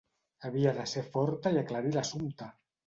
Havia de ser forta i aclarir l'assumpte!